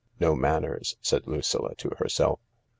(" No manners," said Lucilla to herself.)